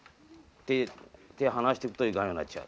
手を離してるといかなくなっちゃう。